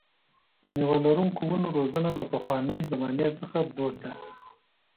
د مېوه لرونکو ونو روزنه له پخوانۍ زمانې څخه دود ده.